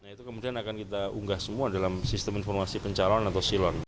nah itu kemudian akan kita unggah semua dalam sistem informasi pencalon atau silon